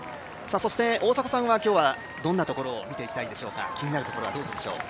そして大迫さんは今日はどんなところを見ていきたいですか、気になるところはどうでしょう。